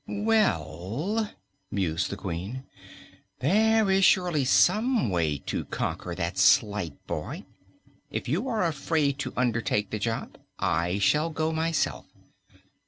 "Well," mused the Queen, "there is surely some way to conquer that slight boy. If you are afraid to undertake the job, I shall go myself.